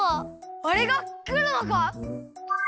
あれがくるのか！？